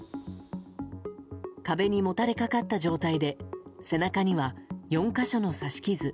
壁にもたれかかった状態で背中には４か所の刺し傷。